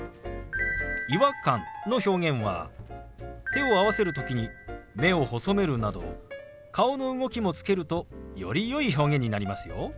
「違和感」の表現は手を合わせる時に目を細めるなど顔の動きもつけるとよりよい表現になりますよ。